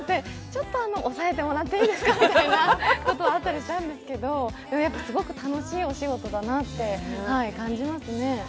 ちょっと抑えてもらっていいですか、みたいなことはあったりしたんですけど、すごく楽しいお仕事だなって感じますね。